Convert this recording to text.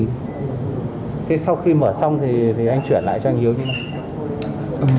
thế sau khi mở xong thì anh chuyển lại cho anh hữu chứ không